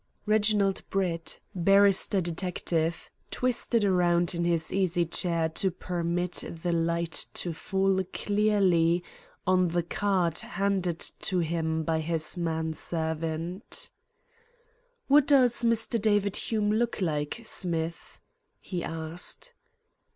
Reginald Brett, barrister detective, twisted round in his easy chair to permit the light to fall clearly on the card handed to him by his man servant. "What does Mr. David Hume look like, Smith?" he asked.